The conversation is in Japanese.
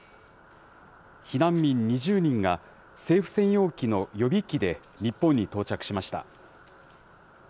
避難民２０人が、政府専用機の予備機で日本に到着しました。